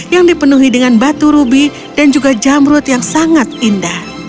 yang dipenuhi dengan batu rubi dan juga jamrut yang sangat indah